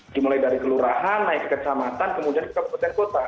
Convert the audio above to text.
dimulai dari kelurahan naik ke kecamatan kemudian ke kabupaten kota